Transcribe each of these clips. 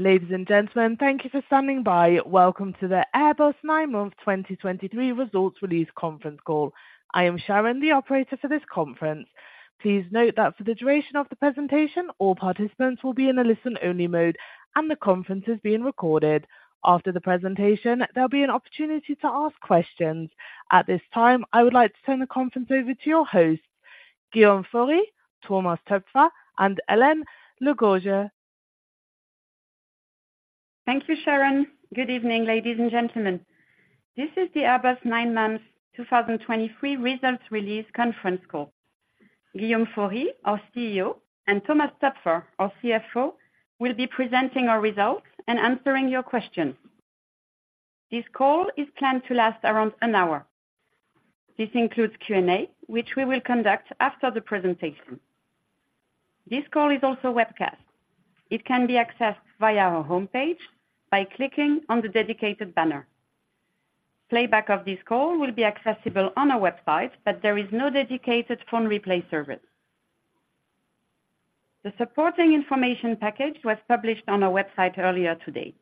Ladies and gentlemen, thank you for standing by. Welcome to the Airbus nine-month 2023 results release conference call. I am Sharon, the operator for this conference. Please note that for the duration of the presentation, all participants will be in a listen-only mode, and the conference is being recorded. After the presentation, there'll be an opportunity to ask questions. At this time, I would like to turn the conference over to your hosts, Guillaume Faury, Thomas Toepfer, and Hélène Le Gorgeu. Thank you, Sharon. Good evening, ladies and gentlemen. This is the Airbus 9 months 2023 results release conference call. Guillaume Faury, our CEO, and Thomas Toepfer, our CFO, will be presenting our results and answering your questions. This call is planned to last around an hour. This includes Q&A, which we will conduct after the presentation. This call is also webcast. It can be accessed via our homepage by clicking on the dedicated banner. Playback of this call will be accessible on our website, but there is no dedicated phone replay service. The supporting information package was published on our website earlier today.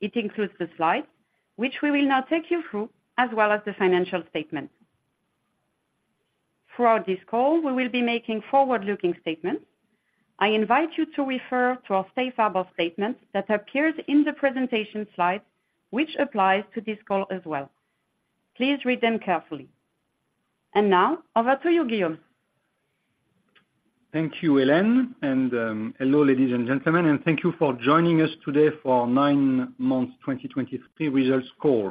It includes the slides, which we will now take you through, as well as the financial statement. Throughout this call, we will be making forward-looking statements. I invite you to refer to our safe harbor statement that appears in the presentation slides, which applies to this call as well. Please read them carefully. And now, over to you, Guillaume. Thank you, Hélène, and hello, ladies and gentlemen, and thank you for joining us today for our nine-month 2023 results call.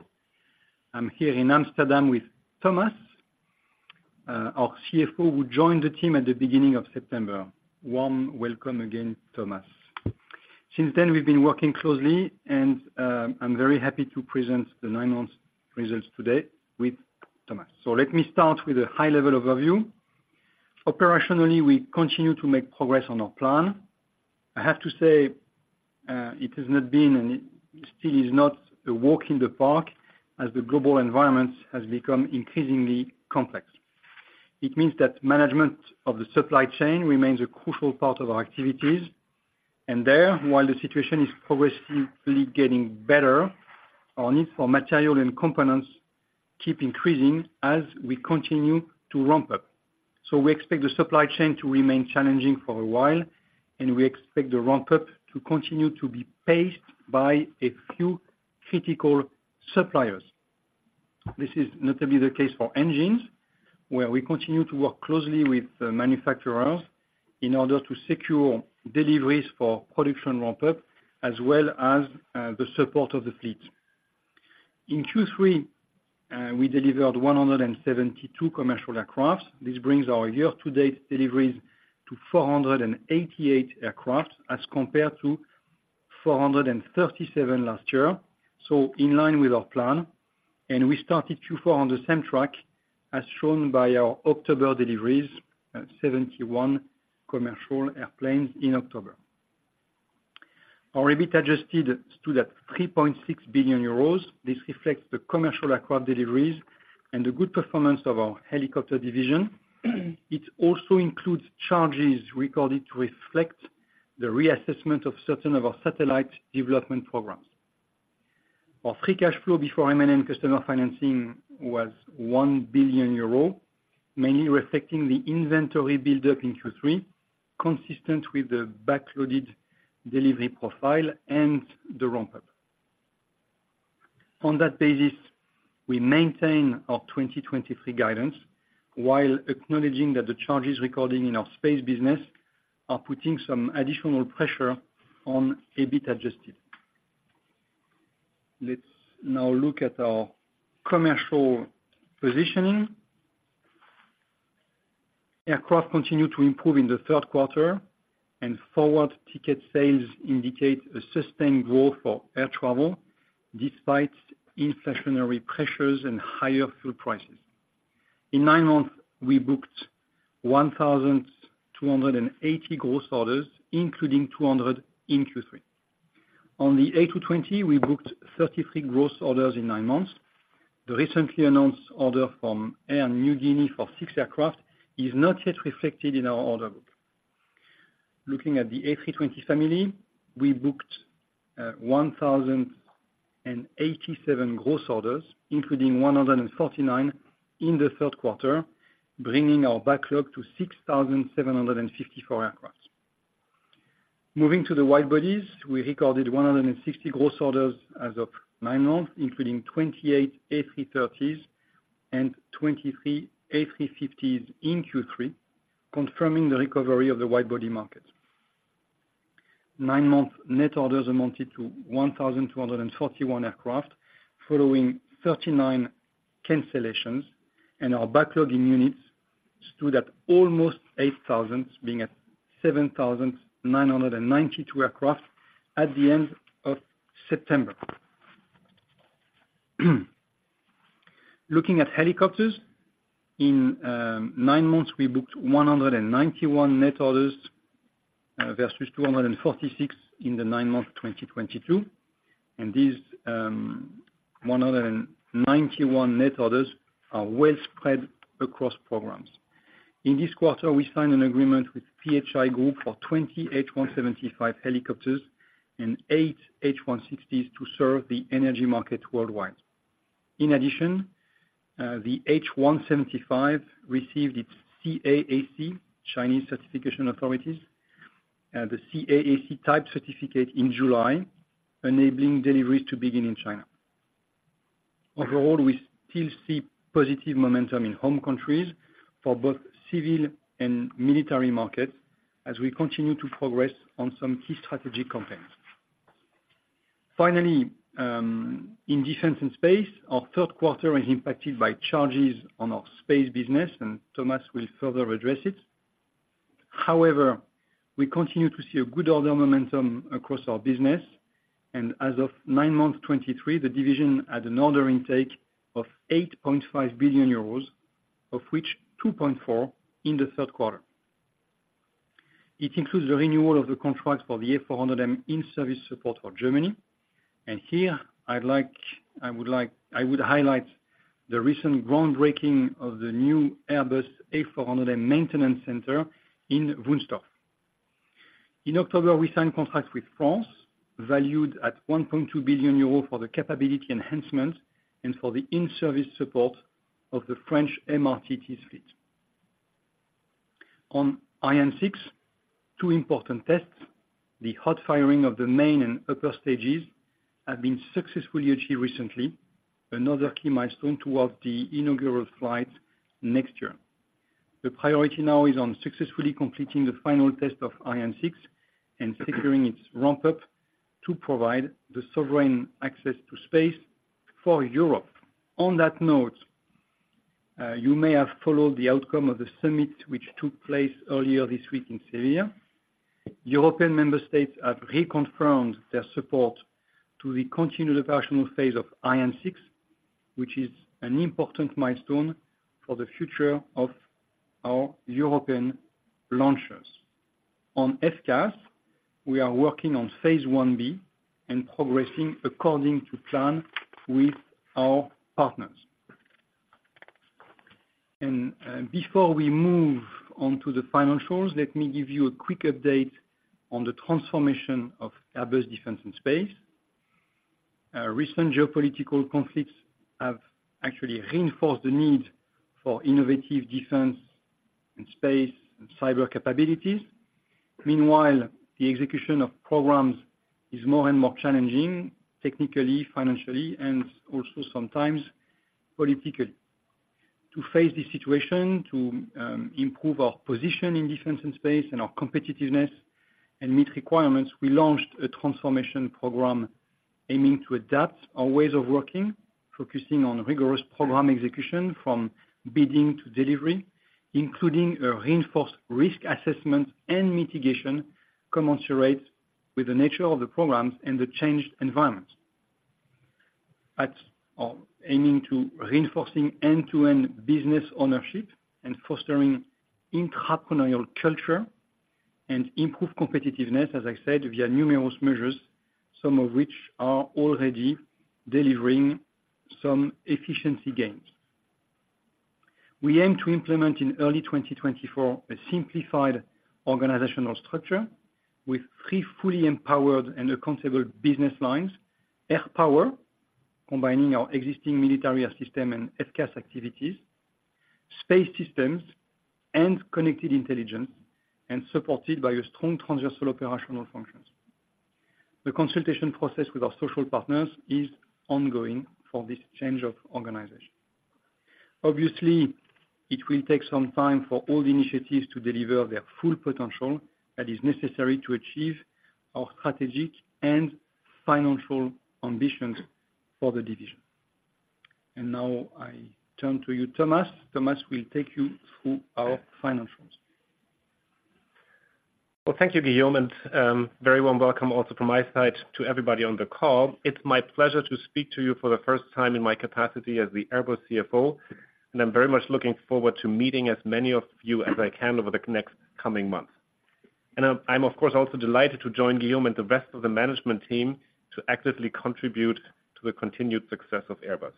I'm here in Amsterdam with Thomas, our CFO, who joined the team at the beginning of September. Warm welcome again, Thomas. Since then, we've been working closely, and I'm very happy to present the nine-month results today with Thomas. So let me start with a high-level overview. Operationally, we continue to make progress on our plan. I have to say, it has not been and it still is not a walk in the park, as the global environment has become increasingly complex. It means that management of the supply chain remains a crucial part of our activities, and there, while the situation is progressively getting better, our need for material and components keep increasing as we continue to ramp up. So we expect the supply chain to remain challenging for a while, and we expect the ramp up to continue to be paced by a few critical suppliers. This is notably the case for engines, where we continue to work closely with the manufacturers in order to secure deliveries for production ramp-up, as well as the support of the fleet. In Q3, we delivered 172 commercial aircraft. This brings our year-to-date deliveries to 488 aircraft, as compared to 437 last year, so in line with our plan. And we started Q4 on the same track, as shown by our October deliveries, 71 commercial airplanes in October. Our EBIT adjusted stood at 3.6 billion euros. This reflects the commercial aircraft deliveries and the good performance of our helicopter division. It also includes charges recorded to reflect the reassessment of certain of our satellite development programs. Our free cash flow before M&A customer financing was 1 billion euro, mainly reflecting the inventory buildup in Q3, consistent with the backloaded delivery profile and the ramp-up. On that basis, we maintain our 2023 guidance while acknowledging that the charges recording in our space business are putting some additional pressure on EBIT Adjusted. Let's now look at our commercial positioning. Aircraft continued to improve in the third quarter, and forward ticket sales indicate a sustained growth for air travel, despite inflationary pressures and higher fuel prices. In nine months, we booked 1,280 gross orders, including 200 in Q3. On the A220, we booked 33 gross orders in nine months. The recently announced order from Air Niugini for 6 aircraft is not yet reflected in our order book. Looking at the A320 family, we booked 1,087 gross orders, including 149 in the third quarter, bringing our backlog to 6,754 aircraft. Moving to the wide bodies, we recorded 160 gross orders as of nine months, including 28 A330s and 23 A350s in Q3, confirming the recovery of the wide-body market. Nine-month net orders amounted to 1,241 aircraft, following 39 cancellations, and our backlogging units stood at almost 8,000, being at 7,992 aircraft at the end of September. Looking at helicopters, in nine months, we booked 191 net orders versus 246 in the nine-month 2022. These 191 net orders are well spread across programs. In this quarter, we signed an agreement with PHI Group for 20 H175 helicopters and 8 H160s to serve the energy market worldwide. In addition, the H175 received its CAAC, Chinese certification authorities, the CAAC type certificate in July, enabling deliveries to begin in China. Overall, we still see positive momentum in home countries for both civil and military markets, as we continue to progress on some key strategic content. Finally, in Defence and Space, our third quarter is impacted by charges on our space business, and Thomas will further address it. However, we continue to see a good order momentum across our business, and as of nine months 2023, the division had an order intake of 8.5 billion euros, of which 2.4 billion in the third quarter. It includes the renewal of the contract for the A400M in-service support for Germany, and here I would like to highlight the recent groundbreaking of the new Airbus A400M maintenance center in Wunstorf. In October, we signed contract with France, valued at 1.2 billion euros for the capability enhancement and for the in-service support of the French MRTT fleet. On Ariane 6, two important tests, the hot firing of the main and upper stages, have been successfully achieved recently, another key milestone towards the inaugural flight next year. The priority now is on successfully completing the final test of Ariane 6 and securing its ramp up to provide the sovereign access to space for Europe. On that note, you may have followed the outcome of the summit, which took place earlier this week in Seville. European member states have reconfirmed their support to the continued operational phase of Ariane 6, which is an important milestone for the future of our European launchers. On FCAS, we are working on phase one B and progressing according to plan with our partners. And, before we move on to the financials, let me give you a quick update on the transformation of Airbus Defence and Space. Recent geopolitical conflicts have actually reinforced the need for innovative defense in space and cyber capabilities. Meanwhile, the execution of programs is more and more challenging, technically, financially, and also sometimes politically. To face the situation, to improve our position in defense and space, and our competitiveness and meet requirements, we launched a transformation program aiming to adapt our ways of working, focusing on rigorous program execution from bidding to delivery, including a reinforced risk assessment and mitigation commensurate with the nature of the programs and the changed environment. Aiming to reinforcing end-to-end business ownership and fostering entrepreneurial culture and improve competitiveness, as I said, via numerous measures, some of which are already delivering some efficiency gains. We aim to implement in early 2024 a simplified organizational structure with three fully empowered and accountable business lines, Air Power, combining our existing military system and FCAS activities, Space Systems and Connected Intelligence, and supported by a strong transversal operational functions. The consultation process with our social partners is ongoing for this change of organization. Obviously, it will take some time for all the initiatives to deliver their full potential that is necessary to achieve our strategic and financial ambitions for the division. Now, I turn to you, Thomas. Thomas will take you through our financials. Well, thank you, Guillaume, and very warm welcome also from my side to everybody on the call. It's my pleasure to speak to you for the first time in my capacity as the Airbus CFO, and I'm very much looking forward to meeting as many of you as I can over the next coming months. And I'm of course also delighted to join Guillaume and the rest of the management team to actively contribute to the continued success of Airbus.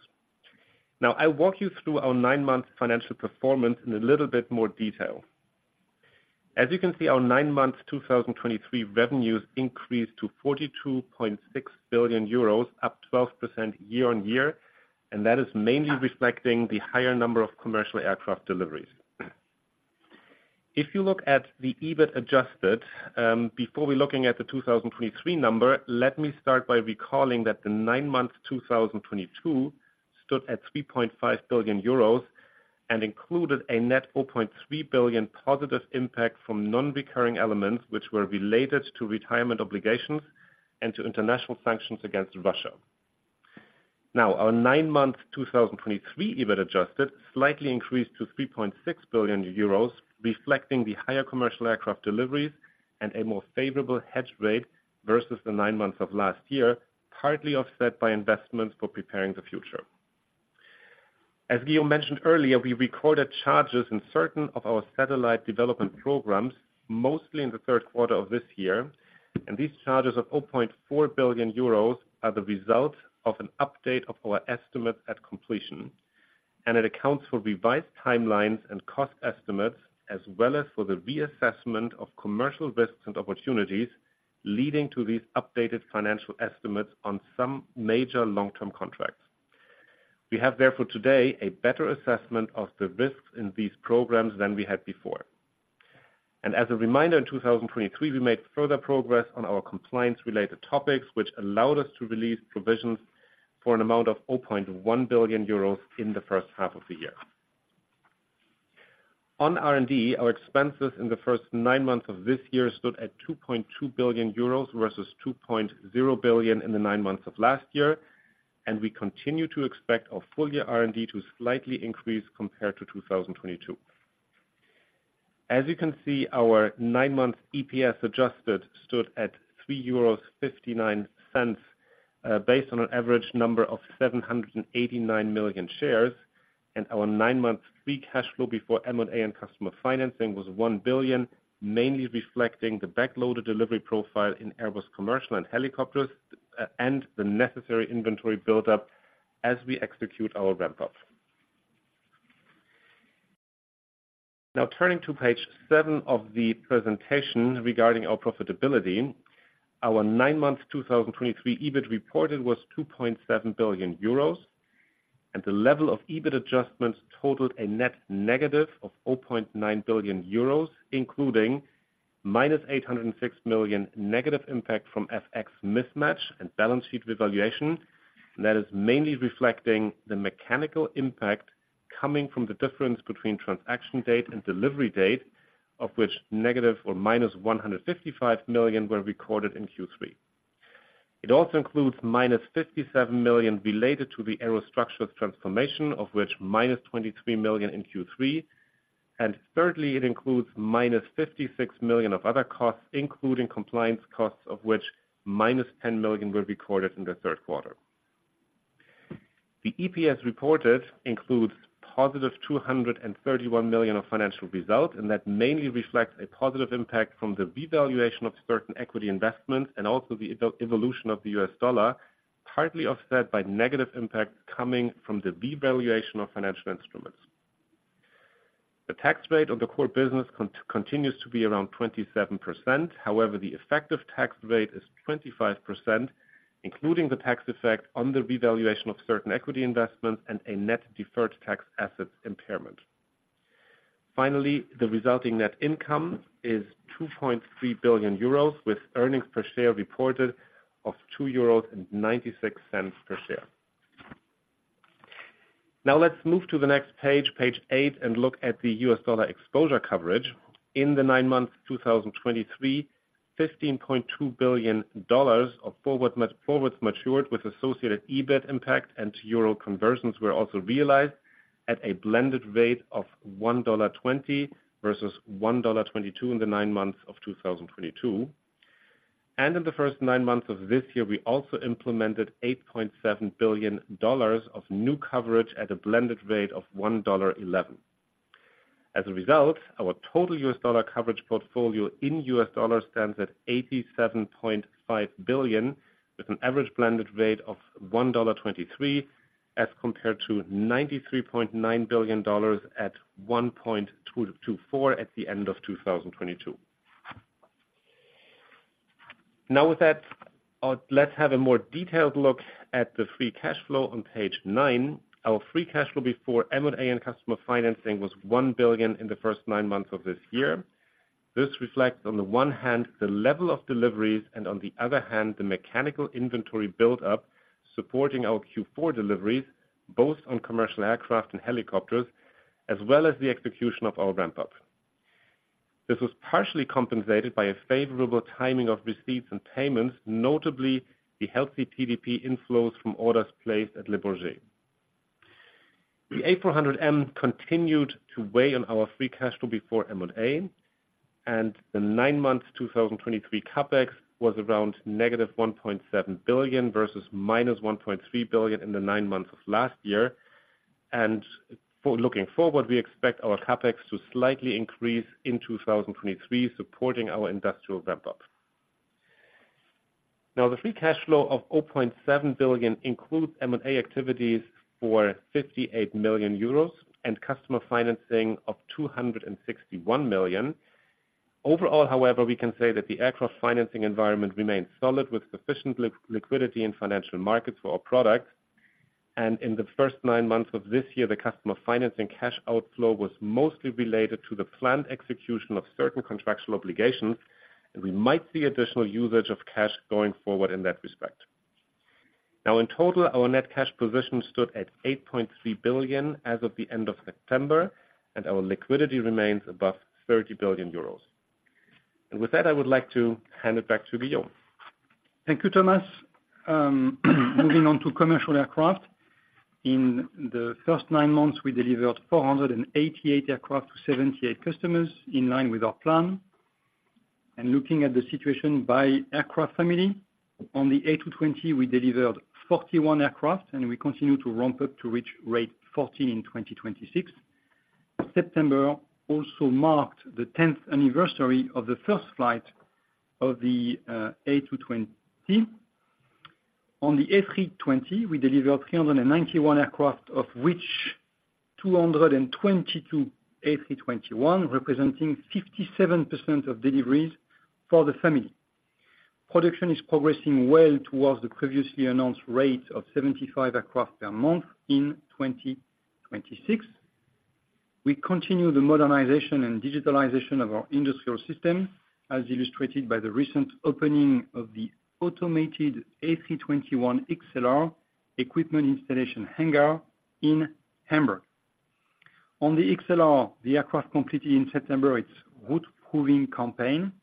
Now, I'll walk you through our nine-month financial performance in a little bit more detail. As you can see, our nine months 2023 revenues increased to 42.6 billion euros, up 12% year-on-year, and that is mainly reflecting the higher number of commercial aircraft deliveries. If you look at the EBIT Adjusted, before we're looking at the 2023 number, let me start by recalling that the nine months, 2022, stood at 3.5 billion euros and included a net 4.3 billion positive impact from non-recurring elements, which were related to retirement obligations and to international sanctions against Russia. Now, our nine-month 2023 EBIT Adjusted slightly increased to 3.6 billion euros, reflecting the higher commercial aircraft deliveries and a more favorable hedge rate versus the nine months of last year, partly offset by investments for preparing the future. As Guillaume mentioned earlier, we recorded charges in certain of our satellite development programs, mostly in the third quarter of this year, and these charges of 0.4 billion euros are the result of an update of our estimate at completion, and it accounts for revised timelines and cost estimates, as well as for the reassessment of commercial risks and opportunities, leading to these updated financial estimates on some major long-term contracts. We have therefore today a better assessment of the risks in these programs than we had before. As a reminder, in 2023, we made further progress on our compliance-related topics, which allowed us to release provisions for an amount of 0.1 billion euros in the first half of the year. On R&D, our expenses in the first nine months of this year stood at 2.2 billion euros, versus 2.0 billion in the nine months of last year, and we continue to expect our full year R&D to slightly increase compared to 2022. As you can see, our nine-month EPS adjusted stood at 3.59 euros, based on an average number of 789 million shares, and our nine-month free cash flow before M&A and customer financing was 1 billion, mainly reflecting the backloaded delivery profile in Airbus Commercial and helicopters, and the necessary inventory buildup as we execute our ramp up. Now, turning to page 7 of the presentation regarding our profitability, our 9-month 2023 EBIT reported was 2.7 billion euros, and the level of EBIT adjustments totaled a net negative of 0.9 billion euros, including -806 million negative impact from FX mismatch and balance sheet revaluation. And that is mainly reflecting the mechanical impact coming from the difference between transaction date and delivery date, of which negative or -155 million were recorded in Q3. It also includes -57 million related to the aerostructures transformation, of which -23 million in Q3. And thirdly, it includes -56 million of other costs, including compliance costs, of which -10 million were recorded in the third quarter. The EPS reported includes positive 231 million of financial results, and that mainly reflects a positive impact from the devaluation of certain equity investments, and also the evolution of the US dollar, partly offset by negative impacts coming from the devaluation of financial instruments. The tax rate on the core business continues to be around 27%. However, the effective tax rate is 25%, including the tax effect on the revaluation of certain equity investments and a net deferred tax asset impairment. Finally, the resulting net income is 2.3 billion euros, with earnings per share reported of 2.96 euros per share. Now, let's move to the next page, page 8, and look at the US dollar exposure coverage. In the nine months 2023, $15.2 billion of forwards matured with associated EBIT impact and euro conversions were also realized at a blended rate of $1.20 versus $1.22 in the nine months of 2022. In the first nine months of this year, we also implemented $8.7 billion of new coverage at a blended rate of $1.11. As a result, our total US dollar coverage portfolio in US dollars stands at $87.5 billion, with an average blended rate of $1.23, as compared to $93.9 billion at $1.224 at the end of 2022. Now with that, let's have a more detailed look at the free cash flow on page nine. Our free cash flow before M&A and customer financing was 1 billion in the first nine months of this year. This reflects, on the one hand, the level of deliveries and on the other hand, the mechanical inventory build-up, supporting our Q4 deliveries, both on commercial aircraft and helicopters, as well as the execution of our ramp up. This was partially compensated by a favorable timing of receipts and payments, notably the healthy PDP inflows from orders placed at Le Bourget. The A400M continued to weigh on our free cash flow before M&A, and the nine months 2023 CapEx was around -1.7 billion versus -1.3 billion in the nine months of last year. For looking forward, we expect our CapEx to slightly increase in 2023, supporting our industrial ramp up. Now, the free cash flow of 0.7 billion includes M&A activities for 58 million euros and customer financing of 261 million. Overall, however, we can say that the aircraft financing environment remains solid, with sufficient liquidity in financial markets for our products. In the first nine months of this year, the customer financing cash outflow was mostly related to the planned execution of certain contractual obligations, and we might see additional usage of cash going forward in that respect. Now, in total, our net cash position stood at 8.3 billion as of the end of September, and our liquidity remains above 30 billion euros. With that, I would like to hand it back to Guillaume. Thank you, Thomas. Moving on to commercial aircraft. In the first nine months, we delivered 488 aircraft to 78 customers, in line with our plan. Looking at the situation by aircraft family, on the A220, we delivered 41 aircraft, and we continue to ramp up to reach rate 14 in 2026. September also marked the tenth anniversary of the first flight of the A220. On the A320, we delivered 391 aircraft, of which 222 A321, representing 57% of deliveries for the family. Production is progressing well towards the previously announced rate of 75 aircraft per month in 2026. We continue the modernization and digitalization of our industrial system, as illustrated by the recent opening of the automated A321 XLR equipment installation hangar in Hamburg. On the XLR, the aircraft completed in September its route proving campaign,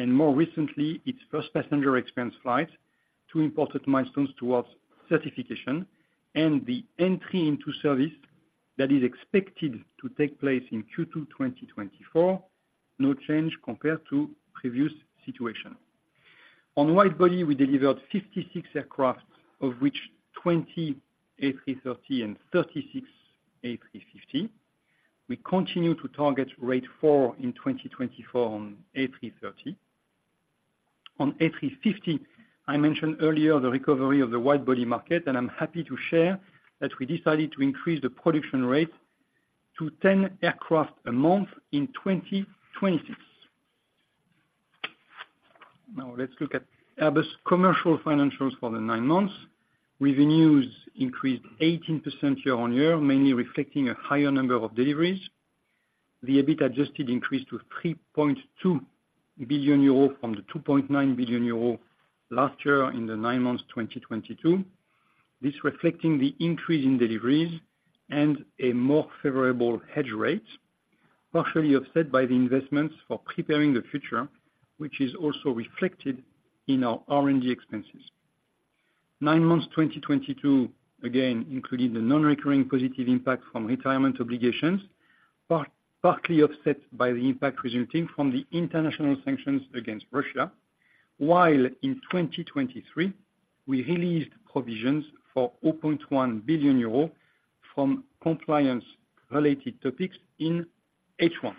and more recently, its first passenger experience flight, two important milestones towards certification and the entry into service that is expected to take place in Q2 2024. No change compared to previous situation. On wide-body, we delivered 56 aircraft, of which 20 A330 and 36 A350. We continue to target rate 4 in 2024 on A330. On A350, I mentioned earlier the recovery of the wide-body market, and I'm happy to share that we decided to increase the production rate to 10 aircraft a month in 2026. Now, let's look at Airbus commercial financials for the nine months. Revenues increased 18% year-on-year, mainly reflecting a higher number of deliveries. The EBIT Adjusted increased to 3.2 billion euro from the 2.9 billion euro last year in the nine months 2022. This reflecting the increase in deliveries and a more favorable hedge rate, partially offset by the investments for preparing the future, which is also reflected in our R&D expenses. Nine months, 2022, again, including the non-recurring positive impact from retirement obligations, partly offset by the impact resulting from the international sanctions against Russia, while in 2023, we released provisions upon 1 billion euro from compliance-related topics in H1.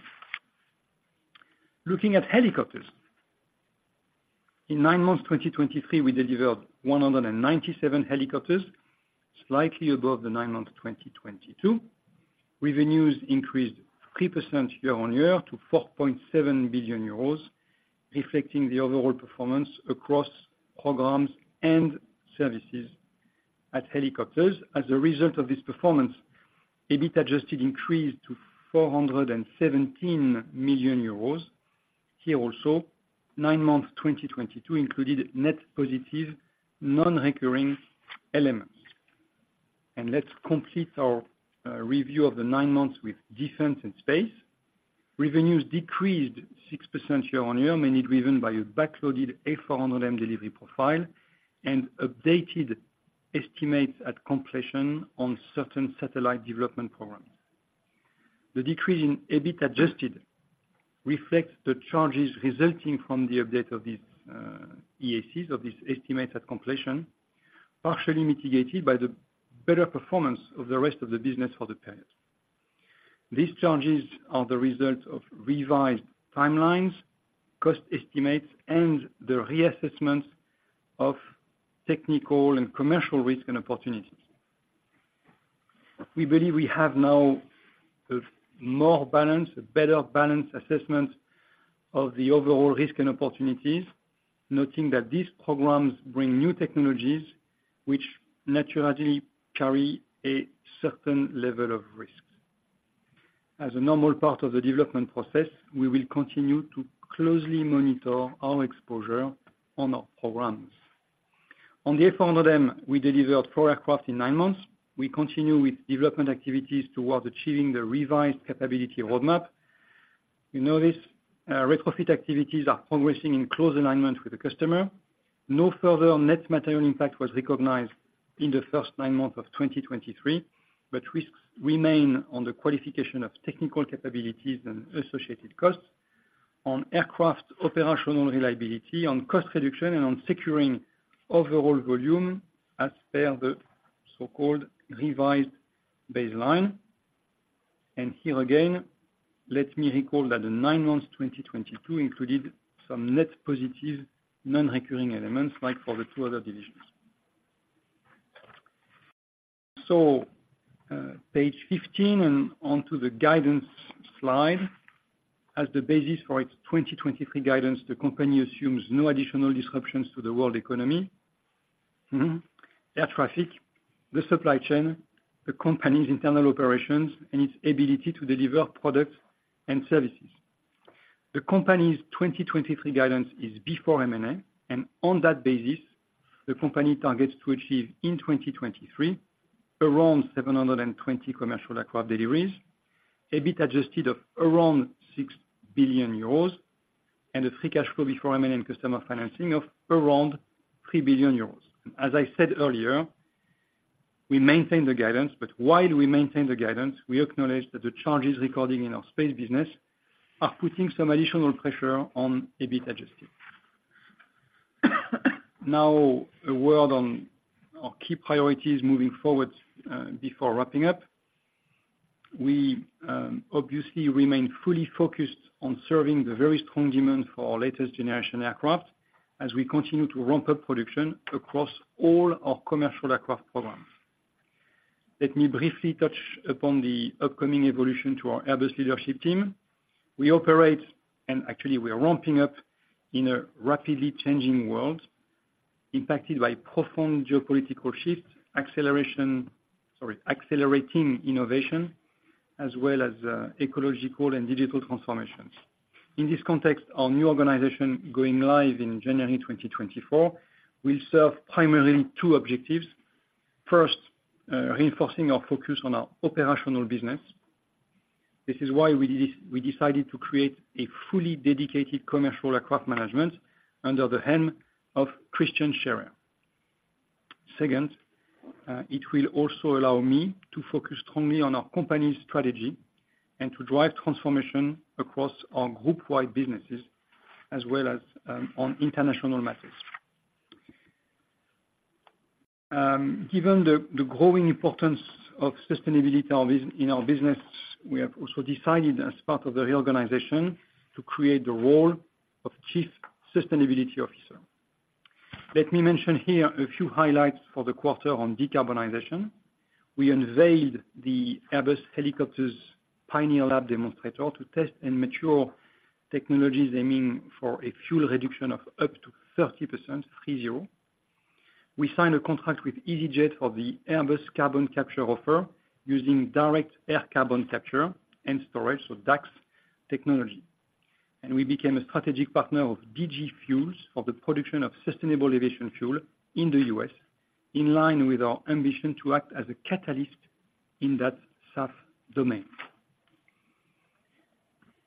Looking at helicopters, in nine months, 2023, we delivered 197 helicopters, slightly above the nine months, 2022. Revenues increased 3% year-on-year to 4.7 billion euros, reflecting the overall performance across programs and services at helicopters. As a result of this performance, EBIT Adjusted increased to 417 million euros. Here also, nine months, 2022 included net positive non-recurring elements. Let's complete our review of the nine months with defense and space. Revenues decreased 6% year-on-year, mainly driven by a backloaded A400M delivery profile and updated estimates at completion on certain satellite development programs. The decrease in EBIT Adjusted reflects the charges resulting from the update of these EACs, of these estimates at completion, partially mitigated by the better performance of the rest of the business for the period. These charges are the result of revised timelines, cost estimates, and the reassessment of technical and commercial risk and opportunities. We believe we have now a more balanced, a better balanced assessment of the overall risk and opportunities, noting that these programs bring new technologies, which naturally carry a certain level of risks. As a normal part of the development process, we will continue to closely monitor our exposure on our programs. On the A400M, we delivered four aircraft in nine months. We continue with development activities towards achieving the revised capability roadmap. You know this, retrofit activities are progressing in close alignment with the customer. No further on net material impact was recognized in the first nine months of 2023, but risks remain on the qualification of technical capabilities and associated costs, on aircraft operational reliability, on cost reduction, and on securing overall volume as per the so-called revised baseline. And here again, let me recall that the nine months, 2022, included some net positive, non-recurring elements, like for the two other divisions. So, page 15 and onto the guidance slide. As the basis for its 2023 guidance, the company assumes no additional disruptions to the world economy, air traffic, the supply chain, the company's internal operations, and its ability to deliver products and services. The company's 2023 guidance is before M&A, and on that basis, the company targets to achieve in 2023, around 720 commercial aircraft deliveries, EBIT Adjusted of around 6 billion euros, and a free cash flow before M&A and customer financing of around 3 billion euros. As I said earlier, we maintain the guidance, but while we maintain the guidance, we acknowledge that the charges recorded in our space business are putting some additional pressure on EBIT Adjusted. Now, a word on our key priorities moving forward, before wrapping up. We obviously remain fully focused on serving the very strong demand for our latest generation aircraft as we continue to ramp up production across all our commercial aircraft programs. Let me briefly touch upon the upcoming evolution to our Airbus leadership team. We operate, and actually we are ramping up, in a rapidly changing world, impacted by profound geopolitical shifts, acceleration- sorry, accelerating innovation, as well as, ecological and digital transformations. In this context, our new organization, going live in January 2024, will serve primarily two objectives. First, reinforcing our focus on our operational business. This is why we decided to create a fully dedicated commercial aircraft management under the hand of Christian Scherer. Second, it will also allow me to focus strongly on our company's strategy and to drive transformation across our group-wide businesses, as well as, on international matters. Given the growing importance of sustainability in our business, we have also decided, as part of the reorganization, to create the role of Chief Sustainability Officer. Let me mention here a few highlights for the quarter on decarbonization. We unveiled the Airbus Helicopters Pioneer Lab demonstrator to test and mature technologies aiming for a fuel reduction of up to 30%. We signed a contract with easyJet for the Airbus carbon capture offer, using direct air carbon capture and storage, so DACCS technology. And we became a strategic partner of DG Fuels for the production of sustainable aviation fuel in the US, in line with our ambition to act as a catalyst in that SAF domain.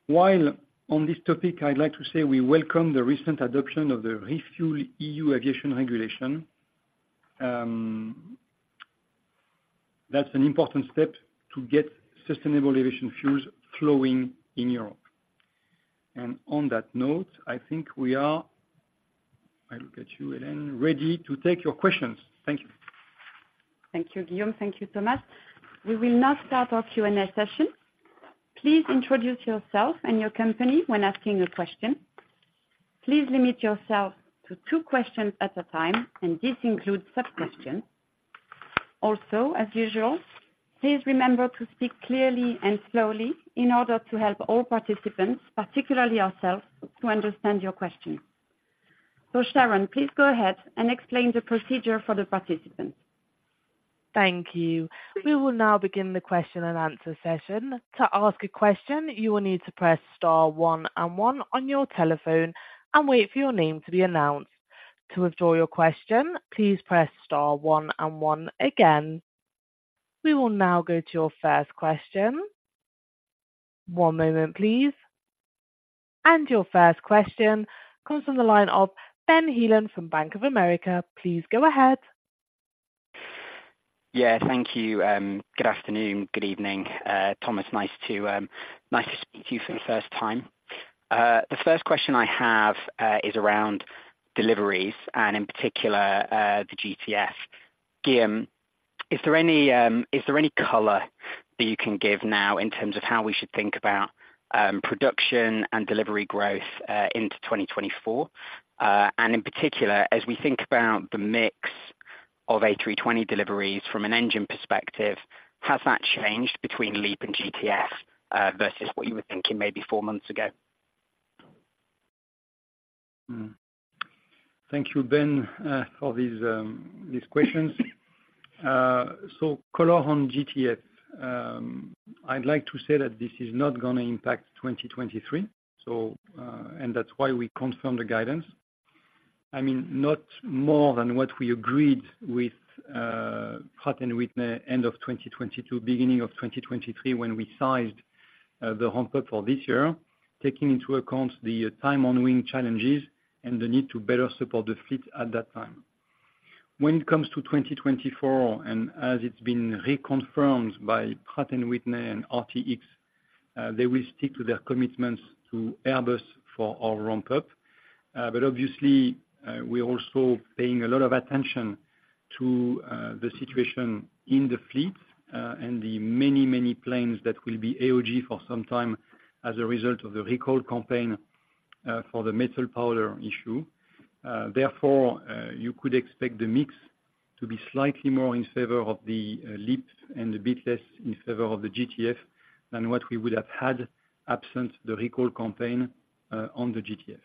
While on this topic, I'd like to say we welcome the recent adoption of the ReFuelEU aviation regulation. That's an important step to get sustainable aviation fuels flowing in Europe. And on that note, I think we are... I will get you, Hélène, ready to take your questions. Thank you. Thank you, Guillaume. Thank you, Thomas. We will now start our Q&A session. Please introduce yourself and your company when asking a question. Please limit yourself to two questions at a time, and this includes sub-questions. Also, as usual, please remember to speak clearly and slowly in order to help all participants, particularly ourselves, to understand your question. So Sharon, please go ahead and explain the procedure for the participants. Thank you. We will now begin the question and answer session. To ask a question, you will need to press star one and one on your telephone and wait for your name to be announced. To withdraw your question, please press star one and one again. We will now go to your first question. One moment, please. And your first question comes from the line of Ben Heelan from Bank of America. Please go ahead. Yeah, thank you. Good afternoon, good evening. Thomas, nice to speak to you for the first time. The first question I have is around deliveries and in particular, the GTF. Guillaume, is there any color that you can give now in terms of how we should think about production and delivery growth into 2024? And in particular, as we think about the mix of A320 deliveries from an engine perspective, has that changed between LEAP and GTF versus what you were thinking maybe four months ago? Thank you, Ben, for these, these questions. So color on GTF. I'd like to say that this is not gonna impact 2023, so, and that's why we confirmed the guidance. I mean, not more than what we agreed with, Pratt & Whitney end of 2022, beginning of 2023, when we sized, the ramp up for this year, taking into account the time on wing challenges and the need to better support the fleet at that time. When it comes to 2024, and as it's been reconfirmed by Pratt & Whitney and RTX, they will stick to their commitments to Airbus for our ramp up. But obviously, we're also paying a lot of attention to the situation in the fleet, and the many, many planes that will be AOG for some time as a result of the recall campaign for the metal powder issue. Therefore, you could expect the mix to be slightly more in favor of the LEAP and a bit less in favor of the GTF than what we would have had absent the recall campaign on the GTF.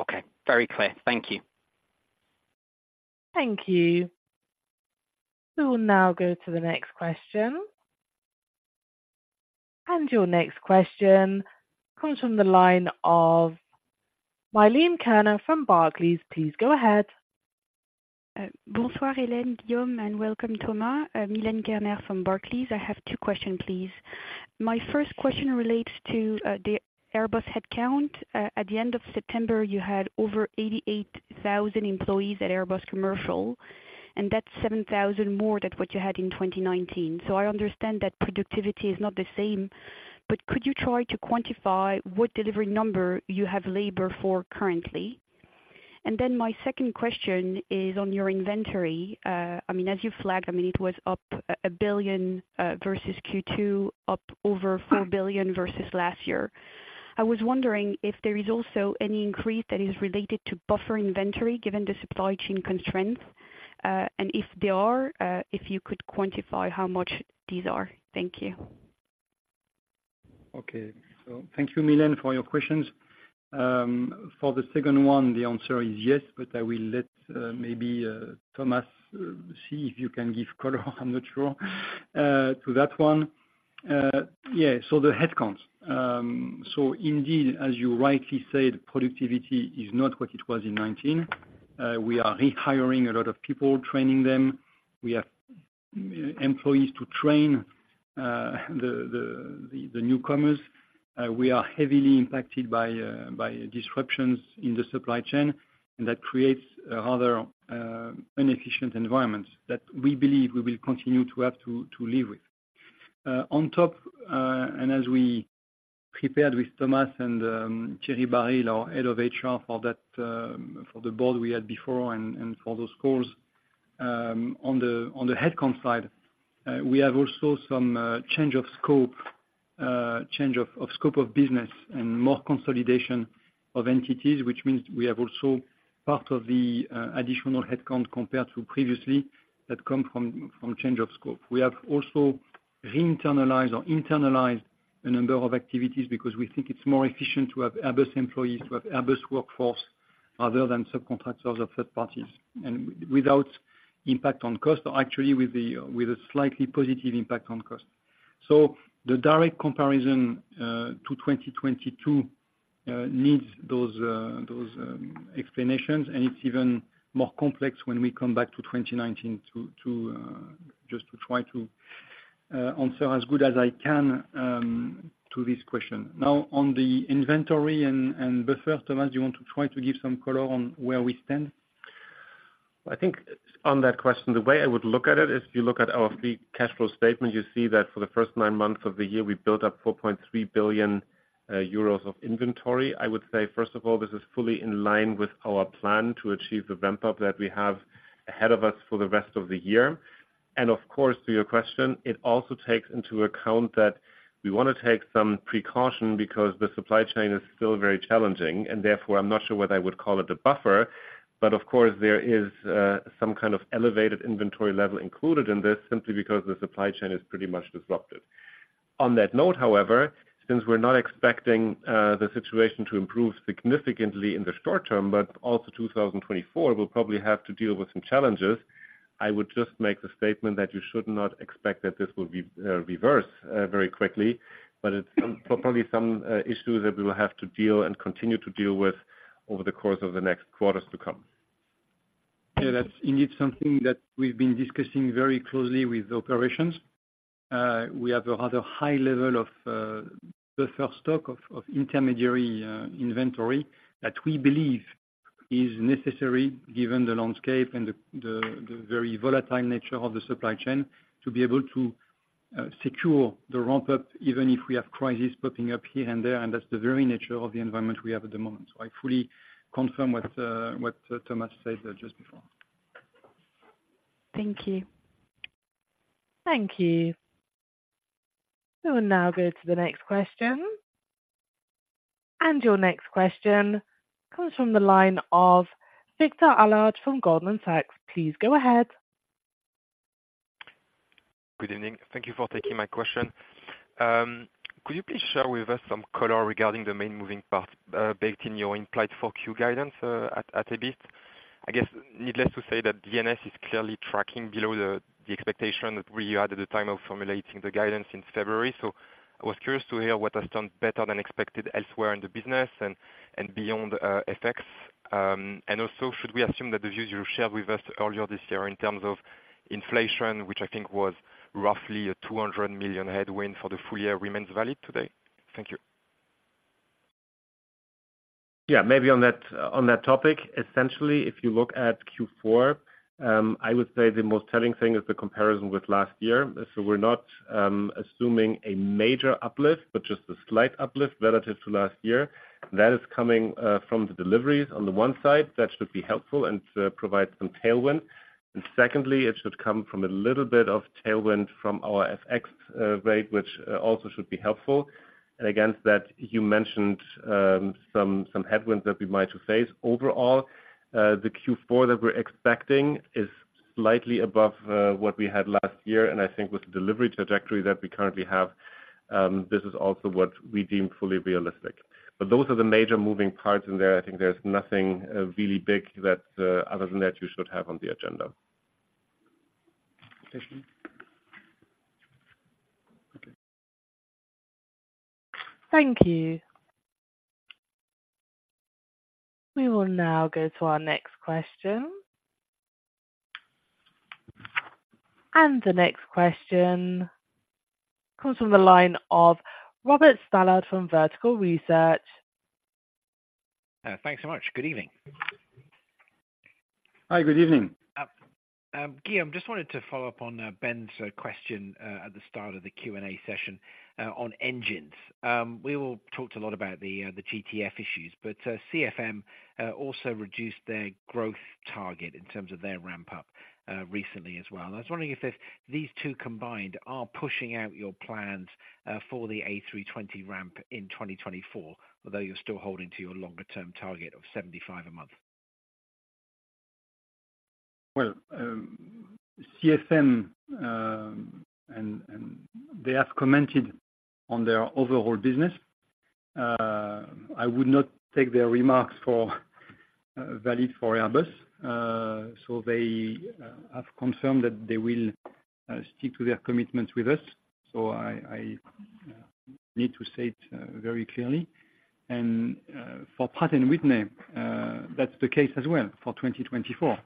Okay, very clear. Thank you. Thank you. We will now go to the next question. Your next question comes from the line of Milene Kerner from Barclays. Please go ahead. Bonsoir, Hélène, Guillaume, and welcome, Thomas. Milene Kerner from Barclays. I have two questions, please. My first question relates to the Airbus headcount. At the end of September, you had over 88,000 employees at Airbus Commercial, and that's 7,000 more than what you had in 2019. So I understand that productivity is not the same, but could you try to quantify what delivery number you have labor for currently? And then my second question is on your inventory. I mean, as you flagged, I mean, it was up 1 billion versus Q2, up over 4 billion versus last year. I was wondering if there is also any increase that is related to buffer inventory, given the supply chain constraints, and if there are, if you could quantify how much these are. Thank you. Okay. So thank you, Milene, for your questions. For the second one, the answer is yes, but I will let, maybe, Thomas, see if you can give color, I'm not sure, to that one. Yeah, so the headcounts. So indeed, as you rightly said, productivity is not what it was in 2019. We are rehiring a lot of people, training them. We have employees to train the newcomers. We are heavily impacted by disruptions in the supply chain, and that creates a rather inefficient environment that we believe we will continue to have to live with. On top, and as we prepared with Thomas and Thierry Baril, our head of HR, for that, for the board we had before and, and for those calls, on the, on the headcount side, we have also some change of scope, change of, of scope of business and more consolidation of entities, which means we have also part of the additional headcount compared to previously that come from, from change of scope. We have also re-internalized or internalized a number of activities because we think it's more efficient to have Airbus employees, to have Airbus workforce, other than subcontractors or third parties. And without impact on cost, actually with a, with a slightly positive impact on cost. So the direct comparison to 2022 needs those explanations, and it's even more complex when we come back to 2019 to just try to answer as good as I can to this question. Now, on the inventory and the first, Thomas, you want to try to give some color on where we stand? I think on that question, the way I would look at it, is if you look at our free cash flow statement, you see that for the first nine months of the year, we built up 4.3 billion euros of inventory. I would say, first of all, this is fully in line with our plan to achieve the ramp-up that we have ahead of us for the rest of the year. And of course, to your question, it also takes into account that we wanna take some precaution because the supply chain is still very challenging, and therefore I'm not sure whether I would call it a buffer, but of course, there is some kind of elevated inventory level included in this, simply because the supply chain is pretty much disrupted. On that note, however, since we're not expecting the situation to improve significantly in the short term, but also 2024, we'll probably have to deal with some challenges. I would just make the statement that you should not expect that this will be reversed very quickly, but it's some, probably some, issues that we will have to deal and continue to deal with over the course of the next quarters to come. Yeah, that's indeed something that we've been discussing very closely with the operations. We have a rather high level of the first stock of intermediary inventory that we believe is necessary, given the landscape and the very volatile nature of the supply chain, to be able to secure the ramp-up, even if we have crisis popping up here and there, and that's the very nature of the environment we have at the moment. So I fully confirm what Thomas said just before. Thank you. Thank you. We'll now go to the next question. Your next question comes from the line of Victor Allard from Goldman Sachs. Please go ahead. Good evening. Thank you for taking my question. Could you please share with us some color regarding the main moving parts baked in your implied 4Q guidance at a bit? I guess needless to say, that VNS is clearly tracking below the expectation that we had at the time of formulating the guidance in February. So I was curious to hear what has done better than expected elsewhere in the business and beyond effects. And also, should we assume that the views you shared with us earlier this year in terms of inflation, which I think was roughly a 200 million headwind for the full year, remains valid today? Thank you. Yeah, maybe on that topic, essentially, if you look at Q4, I would say the most telling thing is the comparison with last year. So we're not assuming a major uplift, but just a slight uplift relative to last year. That is coming from the deliveries on the one side, that should be helpful and provide some tailwind. And secondly, it should come from a little bit of tailwind from our FX rate, which also should be helpful. And against that, you mentioned some headwinds that we might face. Overall, the Q4 that we're expecting is slightly above what we had last year, and I think with the delivery trajectory that we currently have, this is also what we deem fully realistic. But those are the major moving parts in there. I think there's nothing, really big that, other than that, you should have on the agenda. Thank you. Thank you. We will now go to our next question. The next question comes from the line of Robert Stallard from Vertical Research. Thanks so much. Good evening. Hi, good evening. Guillaume, just wanted to follow up on Ben's question at the start of the Q&A session on engines. We all talked a lot about the GTF issues, but CFM also reduced their growth target in terms of their ramp up recently as well. I was wondering if these two combined are pushing out your plans for the A320 ramp in 2024, although you're still holding to your longer term target of 75 a month? Well, CFM and they have commented on their overall business. I would not take their remarks for valid for Airbus. So they have confirmed that they will stick to their commitments with us. So I need to say it very clearly. And for Pratt & Whitney, that's the case as well for 2024.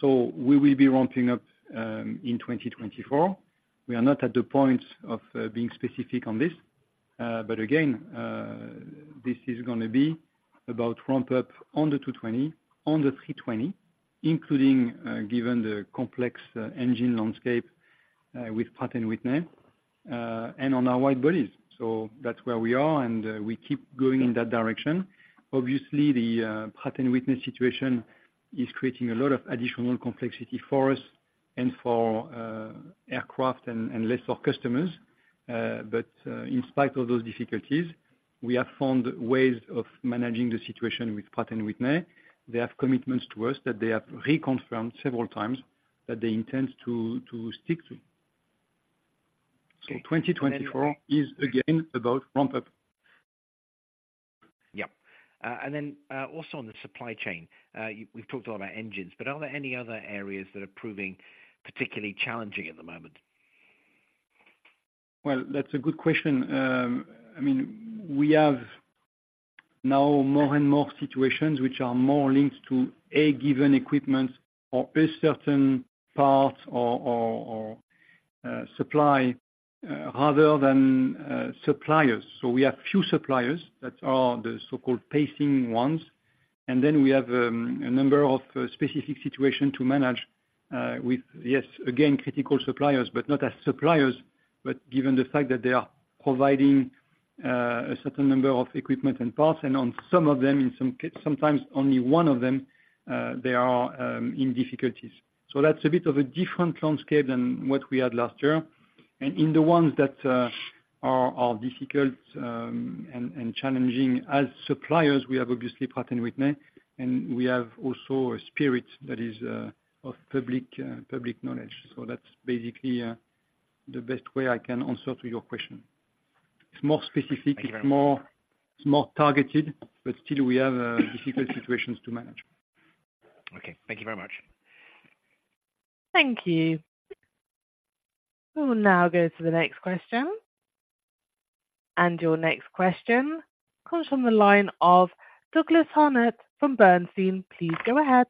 So we will be ramping up in 2024. We are not at the point of being specific on this, but again, this is gonna be about ramp up on the 220, on the 320, including given the complex engine landscape with Pratt & Whitney, and on our wide bodies. So that's where we are, and we keep going in that direction. Obviously, the Pratt & Whitney situation is creating a lot of additional complexity for us and for aircraft and less of customers. But in spite of those difficulties, we have found ways of managing the situation with Pratt & Whitney. They have commitments to us that they have reconfirmed several times, that they intend to stick to. Okay- 2024 is, again, about ramp up. Yep. And then, also on the supply chain, we've talked a lot about engines, but are there any other areas that are proving particularly challenging at the moment? Well, that's a good question. I mean, we have now more and more situations which are more linked to a given equipment or a certain part or supply, rather than suppliers. So we have few suppliers that are the so-called pacing ones, and then we have a number of specific situation to manage with, yes, again, critical suppliers, but not as suppliers. But given the fact that they are providing a certain number of equipment and parts, and on some of them, sometimes only one of them, they are in difficulties. So that's a bit of a different landscape than what we had last year. And in the ones that are difficult and challenging as suppliers, we have obviously Pratt & Whitney, and we have also a Spirit that is of public knowledge. So that's basically the best way I can answer to your question. It's more specific- Thank you very much. It's more, it's more targeted, but still we have difficult situations to manage. Okay. Thank you very much. Thank you. We will now go to the next question. Your next question comes from the line of Douglas Harned from Bernstein. Please go ahead.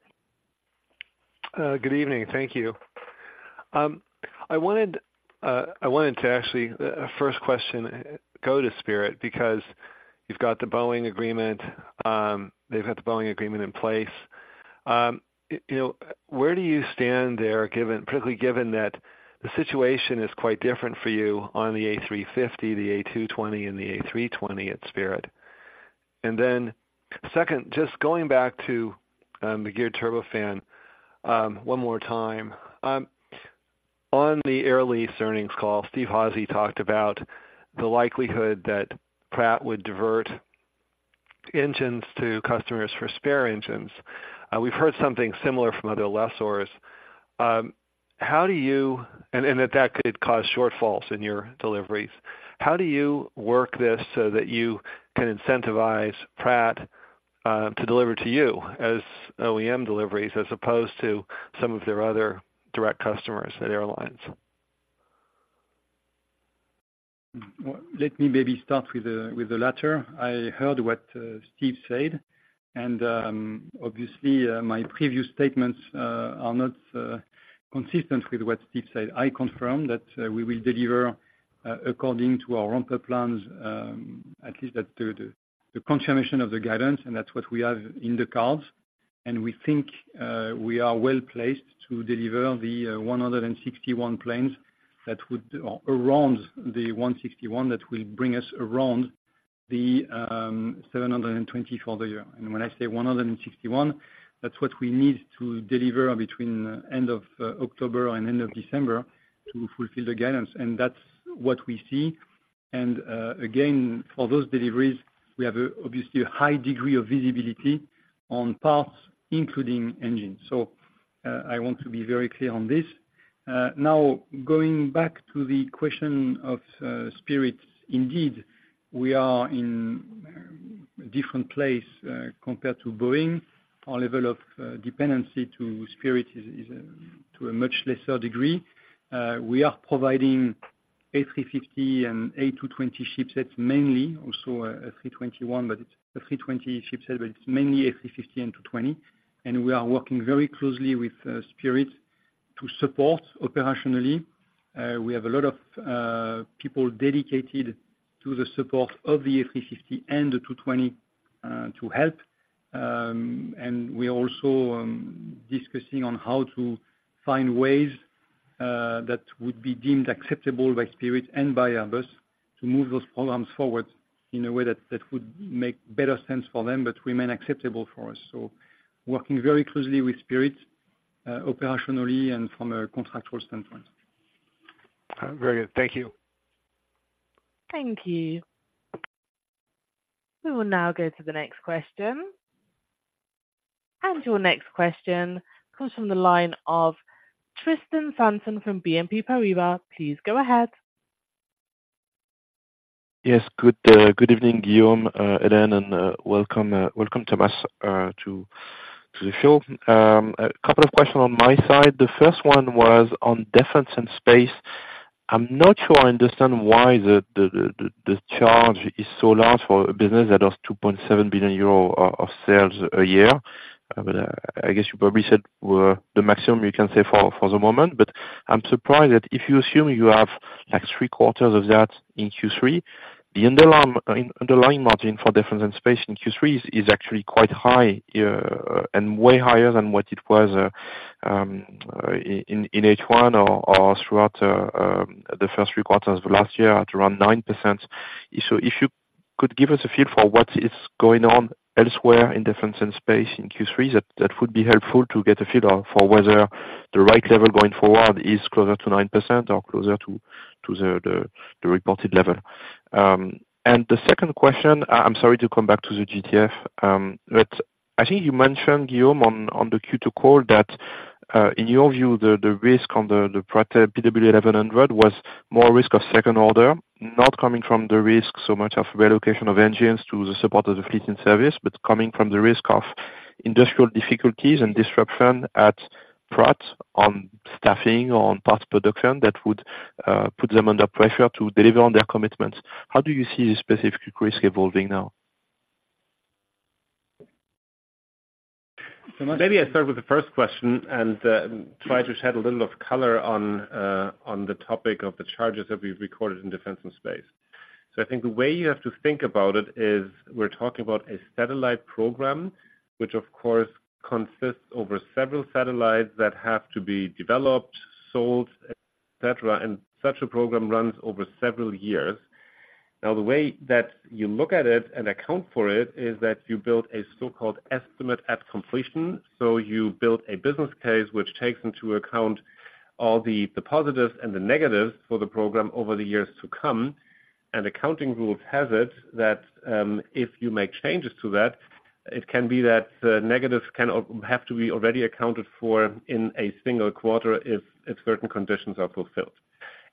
Good evening. Thank you. I wanted to actually first question go to Spirit, because you've got the Boeing agreement, they've had the Boeing agreement in place. You know, where do you stand there, given, particularly given that the situation is quite different for you on the A350, the A220, and the A320 at Spirit? And then second, just going back to the geared turbofan one more time. On the Air Lease earnings call, Steve Hazy talked about the likelihood that Pratt would divert engines to customers for spare engines. We've heard something similar from other lessors. How do you... And that could cause shortfalls in your deliveries. How do you work this so that you can incentivize Pratt, to deliver to you as OEM deliveries, as opposed to some of their other direct customers and airlines? Well, let me maybe start with the latter. I heard what Steve said, and obviously, my previous statements are not consistent with what Steve said. I confirm that we will deliver according to our ramp up plans, at least the confirmation of the guidance, and that's what we have in the cards. And we think we are well placed to deliver the 161 planes that would, around the 161, that will bring us around the 720 for the year. And when I say 161, that's what we need to deliver between end of October and end of December, to fulfill the guidance. And that's what we see. Again, for those deliveries, we have a obviously a high degree of visibility on parts, including engines. So, I want to be very clear on this. Now, going back to the question of Spirit. Indeed, we are in a different place compared to Boeing. Our level of dependency to Spirit is to a much lesser degree. We are providing-... A350 and A220 shipsets, mainly also, A321, but it's A320 shipset, but it's mainly A350 and A220, and we are working very closely with Spirit to support operationally. We have a lot of people dedicated to the support of the A350 and the A220 to help. And we're also discussing on how to find ways that would be deemed acceptable by Spirit and by Airbus to move those programs forward in a way that would make better sense for them, but remain acceptable for us. So working very closely with Spirit operationally and from a contractual standpoint. Very good. Thank you. Thank you. We will now go to the next question. Your next question comes from the line of Tristan Sanson from BNP Paribas. Please go ahead. Yes, good evening, Guillaume. Hélène, and welcome Thomas to the show. A couple of questions on my side. The first one was on Defence and Space. I'm not sure I understand why the charge is so large for a business that has 2.7 billion euro of sales a year. But I guess you probably said were the maximum you can say for the moment, but I'm surprised that if you assume you have, like, three quarters of that in Q3, the underlying margin for Defence and Space in Q3 is actually quite high, and way higher than what it was in H1 or throughout the first three quarters of last year at around 9%. So if you could give us a feel for what is going on elsewhere in defense and space in Q3, that would be helpful to get a feel of for whether the right level going forward is closer to 9% or closer to the reported level. And the second question, I'm sorry to come back to the GTF, but I think you mentioned, Guillaume, on the Q2 call that in your view, the risk on the Pratt PW1100 was more risk of second order, not coming from the risk so much of relocation of engines to the support of the fleet in service, but coming from the risk of industrial difficulties and disruption at Pratt on staffing, on parts production, that would put them under pressure to deliver on their commitments. How do you see this specific risk evolving now? So maybe I start with the first question and, try to shed a little of color on, on the topic of the charges that we've recorded in Defence and Space. So I think the way you have to think about it is, we're talking about a satellite program, which of course consists over several satellites that have to be developed, sold, et cetera, and such a program runs over several years. Now, the way that you look at it and account for it, is that you build a so-called Estimate at Completion. So you build a business case, which takes into account all the, the positives and the negatives for the program over the years to come. An accounting rule has it that if you make changes to that, it can be that the negatives can or have to be already accounted for in a single quarter if certain conditions are fulfilled.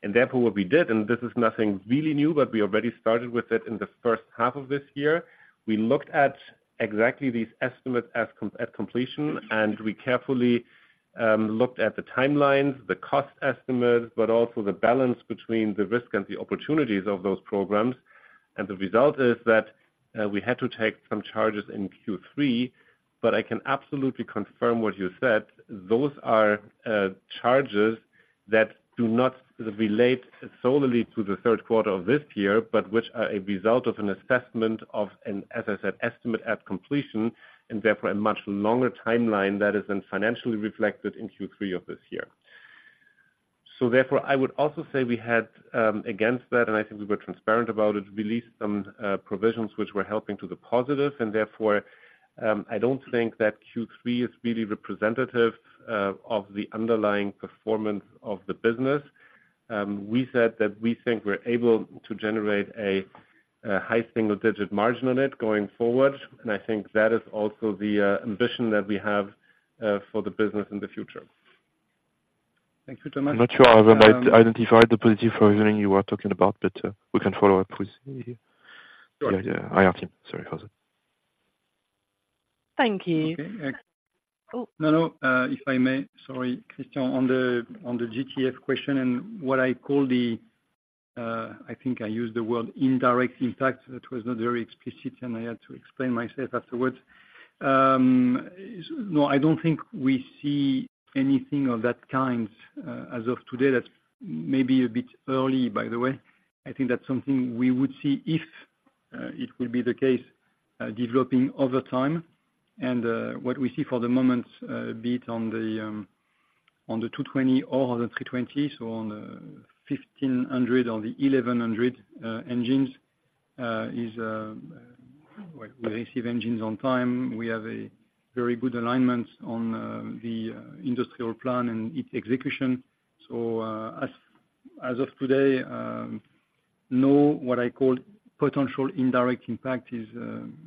Therefore, what we did, and this is nothing really new, but we already started with it in the first half of this year, we looked at exactly these estimates at completion, and we carefully looked at the timelines, the cost estimates, but also the balance between the risk and the opportunities of those programs. The result is that we had to take some charges in Q3, but I can absolutely confirm what you said. Those are charges that do not relate solely to the third quarter of this year, but which are a result of an assessment of, and as I said, estimate at completion, and therefore a much longer timeline that is then financially reflected in Q3 of this year. So therefore, I would also say we had, against that, and I think we were transparent about it, we released some provisions which were helping to the positive. And therefore, I don't think that Q3 is really representative of the underlying performance of the business. We said that we think we're able to generate a high single digit margin on it going forward, and I think that is also the ambition that we have for the business in the future. Thank you, Thomas. I'm not sure I might have identified the positive reasoning you are talking about, but we can follow up with you. Sure. Yeah, yeah, I hear you. Sorry, how was it? Thank you. Okay, uh- Oh. No, no, if I may, sorry, Christian, on the GTF question and what I call the, I think I used the word indirect impact. That was not very explicit, and I had to explain myself afterwards. No, I don't think we see anything of that kind, as of today. That's maybe a bit early, by the way. I think that's something we would see if it will be the case, developing over time. And, what we see for the moment, be it on the A220 or the A320, so on, 1,500 or the 1,100 engines, is... Well, we receive engines on time. We have a very good alignment on the industrial plan and its execution. So, as of today, know what I call potential indirect impact is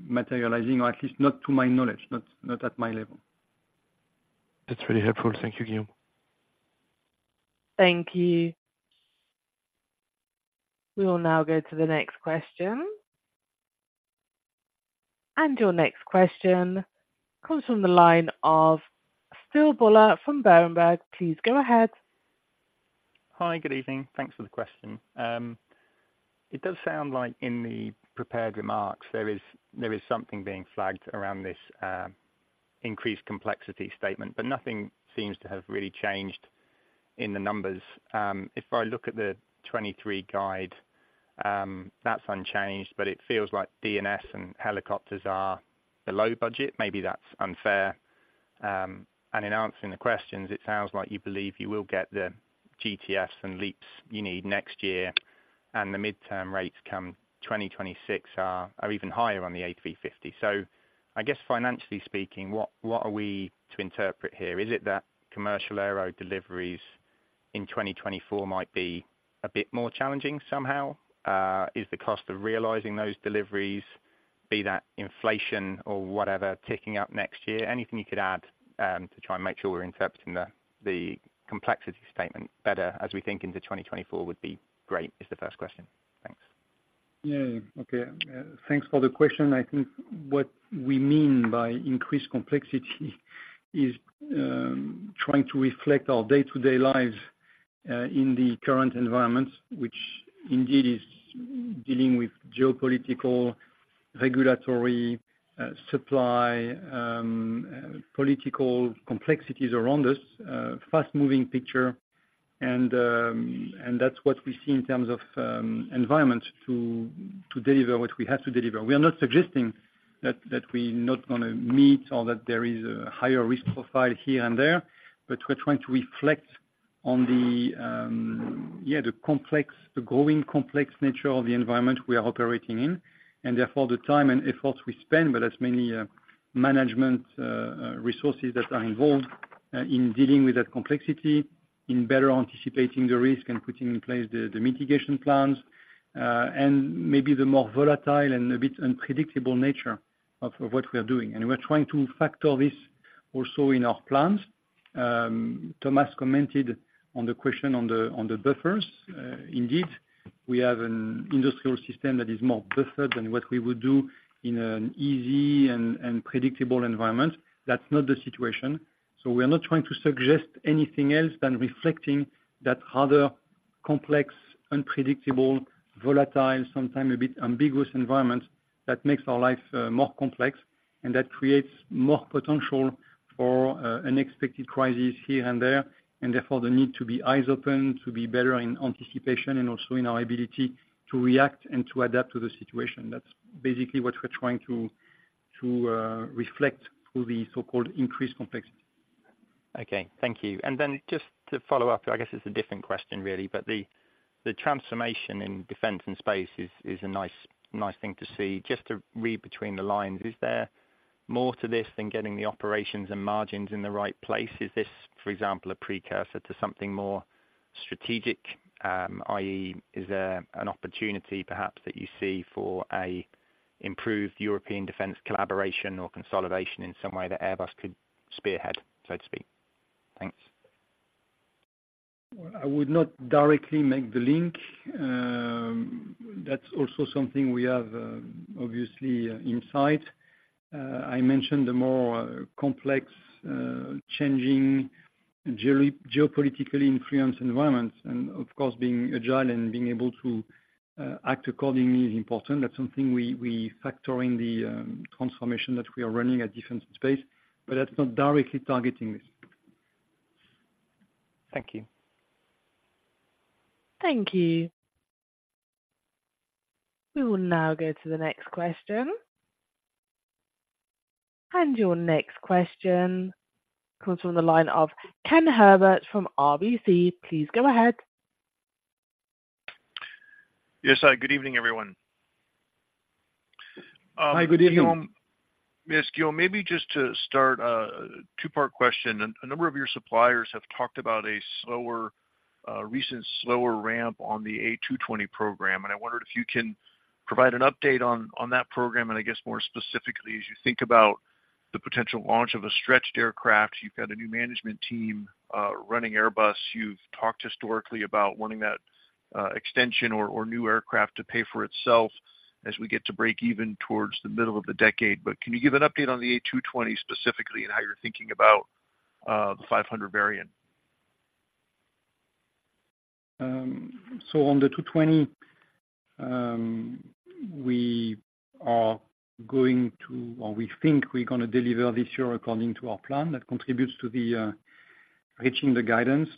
materializing, or at least not to my knowledge, not at my level. That's really helpful. Thank you, Guillaume. Thank you. We will now go to the next question.... And your next question comes from the line of Phil Buller from Berenberg. Please go ahead. Hi, good evening. Thanks for the question. It does sound like in the prepared remarks, there is, there is something being flagged around this increased complexity statement, but nothing seems to have really changed in the numbers. If I look at the 2023 guide, that's unchanged, but it feels like D&S and helicopters are the low budget. Maybe that's unfair. And in answering the questions, it sounds like you believe you will get the GTFs and LEAPs you need next year, and the midterm rates come 2026 are even higher on the A350. So I guess financially speaking, what are we to interpret here? Is it that commercial aero deliveries in 2024 might be a bit more challenging somehow? Is the cost of realizing those deliveries, be that inflation or whatever, ticking up next year? Anything you could add, to try and make sure we're interpreting the complexity statement better as we think into 2024 would be great, is the first question. Thanks. Yeah. Okay, thanks for the question. I think what we mean by increased complexity is, trying to reflect our day-to-day lives, in the current environment, which indeed is dealing with geopolitical, regulatory, supply, political complexities around us. Fast moving picture and, and that's what we see in terms of, environment to, to deliver what we have to deliver. We are not suggesting that we're not gonna meet or that there is a higher risk profile here and there, but we're trying to reflect on the, the complex, the growing complex nature of the environment we are operating in, and therefore the time and effort we spend, but that's mainly, management, resources that are involved, in dealing with that complexity, in better anticipating the risk and putting in place the, the mitigation plans. Maybe the more volatile and a bit unpredictable nature of what we are doing. We're trying to factor this also in our plans. Thomas commented on the question on the buffers. Indeed, we have an industrial system that is more buffered than what we would do in an easy and predictable environment. That's not the situation, so we are not trying to suggest anything else than reflecting that other complex, unpredictable, volatile, sometimes a bit ambiguous environment, that makes our life more complex, and that creates more potential for unexpected crisis here and there, and therefore the need to be eyes open, to be better in anticipation, and also in our ability to react and to adapt to the situation. That's basically what we're trying to reflect through the so-called increased complexity. Okay, thank you. And then just to follow up, I guess it's a different question really, but the transformation in defense and space is a nice thing to see. Just to read between the lines, is there more to this than getting the operations and margins in the right place? Is this, for example, a precursor to something more strategic? i.e., is there an opportunity perhaps that you see for an improved European defense collaboration or consolidation in some way that Airbus could spearhead, so to speak? Thanks. Well, I would not directly make the link. That's also something we have, obviously, insight. I mentioned the more complex, changing geopolitically influenced environments, and of course, being agile and being able to act accordingly is important. That's something we, we factor in the transformation that we are running at different space, but that's not directly targeting this. Thank you. Thank you. We will now go to the next question. Your next question comes from the line of Ken Herbert from RBC. Please go ahead. Yes, hi. Good evening, everyone. Hi, good evening. Guillaume, yes, Guillaume, maybe just to start, a two-part question. A number of your suppliers have talked about a slower, recent slower ramp on the A220 program, and I wondered if you can provide an update on, on that program, and I guess more specifically, as you think about the potential launch of a stretched aircraft. You've got a new management team, running Airbus. You've talked historically about wanting that, extension or, or new aircraft to pay for itself, as we get to break even towards the middle of the decade. But can you give an update on the A220 specifically, and how you're thinking about, the 500 variant? So on the A220, we are going to... Or we think we're gonna deliver this year according to our plan. That contributes to the reaching the guidance.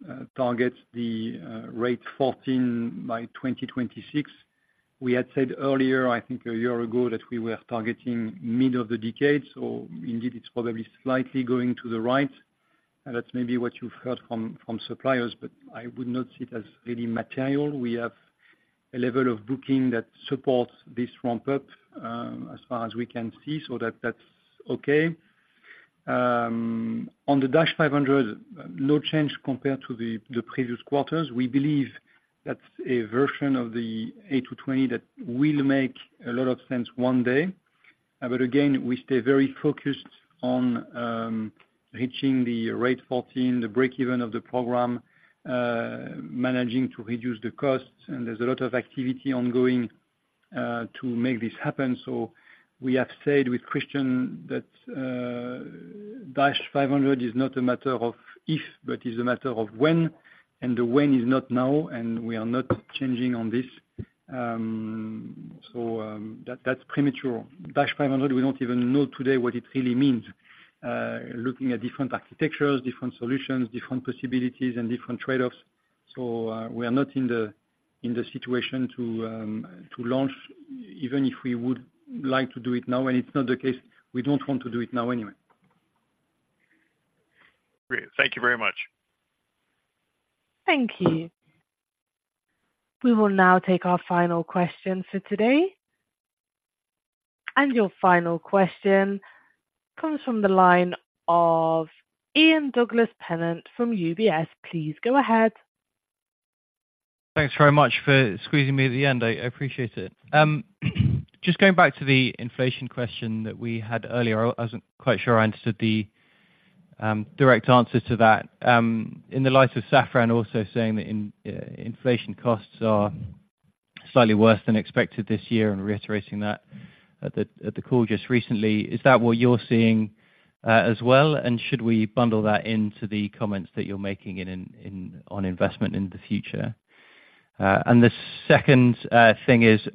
The ramp up still targets the rate 14 by 2026. We had said earlier, I think a year ago, that we were targeting mid of the decade, so indeed, it's probably slightly going to the right, and that's maybe what you've heard from suppliers, but I would not see it as really material. We have a level of booking that supports this ramp up, as far as we can see, so that's okay. On the Dash 500, no change compared to the previous quarters. We believe that's a version of the A220 that will make a lot of sense one day. But again, we stay very focused on reaching the rate 14, the breakeven of the program, managing to reduce the costs, and there's a lot of activity ongoing to make this happen. So we have said with Christian that Dash 500 is not a matter of if, but it's a matter of when, and the when is not now, and we are not changing on this. So that, that's premature. Dash 500, we don't even know today what it really means, looking at different architectures, different solutions, different possibilities, and different trade-offs. So we are not in the situation to launch, even if we would like to do it now, and it's not the case. We don't want to do it now anyway. Great. Thank you very much. Thank you. We will now take our final question for today. Your final question comes from the line of Ian Douglas Pennant from UBS. Please go ahead. Thanks very much for squeezing me at the end. I appreciate it. Just going back to the inflation question that we had earlier. I wasn't quite sure I understood the direct answer to that. In the light of Safran also saying that inflation costs are slightly worse than expected this year and reiterating that at the call just recently, is that what you're seeing as well? And should we bundle that into the comments that you're making on investment in the future? And the second thing is,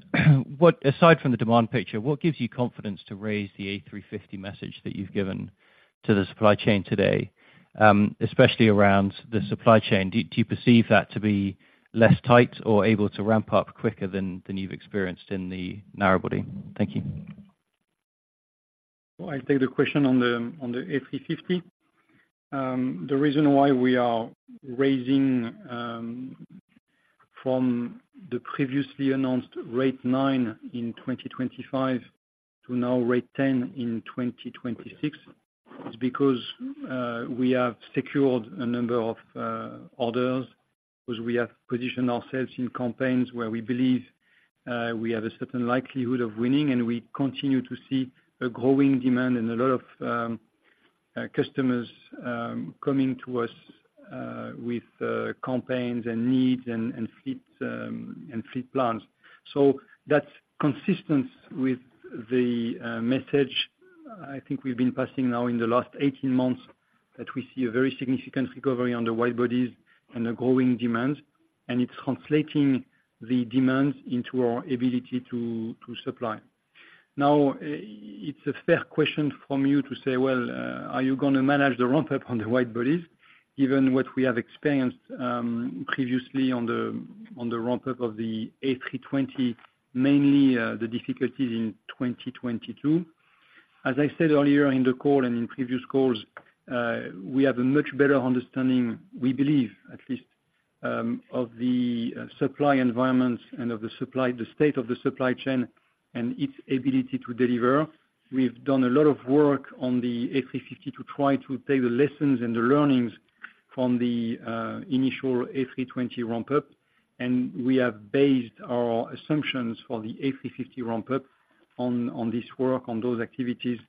what—aside from the demand picture, what gives you confidence to raise the A350 message that you've given to the supply chain today, especially around the supply chain? Do you perceive that to be less tight or able to ramp up quicker than you've experienced in the narrow body? Thank you. Well, I'll take the question on the, on the A350. The reason why we are raising, from the previously announced rate 9 in 2025 to now rate 10 in 2026, is because, we have secured a number of, orders, because we have positioned ourselves in campaigns where we believe, we have a certain likelihood of winning. And we continue to see a growing demand and a lot of, customers, coming to us, with, campaigns and needs and, and fleet, and fleet plans. So that's consistent with the, message I think we've been passing now in the last 18 months, that we see a very significant recovery on the wide-bodies and the growing demand, and it's translating the demand into our ability to, to supply. Now, it's a fair question from you to say, "Well, are you gonna manage the ramp up on the wide-bodies, given what we have experienced previously on the ramp up of the A320, mainly the difficulties in 2022? As I said earlier in the call and in previous calls, we have a much better understanding, we believe, at least, of the supply environment and of the supply, the state of the supply chain and its ability to deliver. We've done a lot of work on the A350 to try to take the lessons and the learnings from the initial A320 ramp up, and we have based our assumptions for the A350 ramp up on this work, on those activities,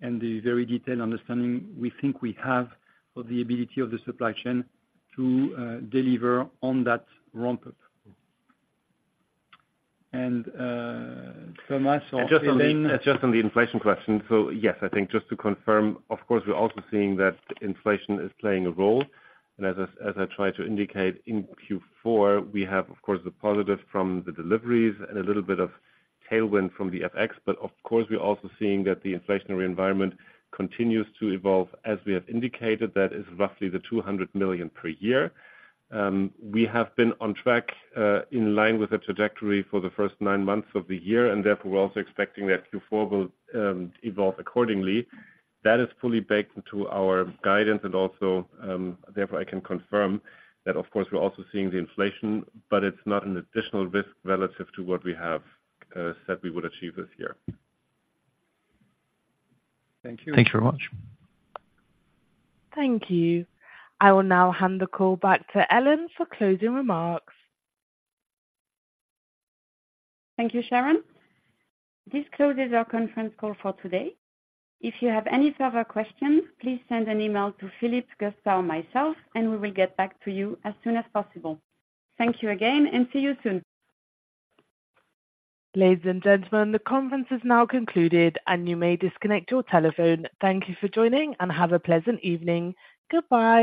and the very detailed understanding we think we have of the ability of the supply chain to deliver on that ramp up. And, Thomas or- Just on the inflation question. So yes, I think just to confirm, of course, we're also seeing that inflation is playing a role. As I tried to indicate in Q4, we have, of course, the positive from the deliveries and a little bit of tailwind from the FX. But of course, we're also seeing that the inflationary environment continues to evolve. As we have indicated, that is roughly 200 million per year. We have been on track in line with the trajectory for the first nine months of the year, and therefore, we're also expecting that Q4 will evolve accordingly. That is fully baked into our guidance, and also, therefore, I can confirm that of course, we're also seeing the inflation, but it's not an additional risk relative to what we have said we would achieve this year. Thank you. Thank you very much. Thank you. I will now hand the call back to Ellen for closing remarks. Thank you, Sharon. This closes our conference call for today. If you have any further questions, please send an email to Philippe, Gustav, or myself, and we will get back to you as soon as possible. Thank you again, and see you soon. Ladies and gentlemen, the conference is now concluded, and you may disconnect your telephone. Thank you for joining, and have a pleasant evening. Goodbye.